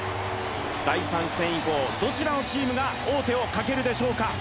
第３戦以降どちらのチームが王手をかけるでしょうか。